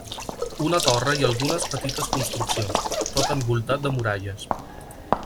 Una torre i algunes petites construccions, tot envoltat de muralles.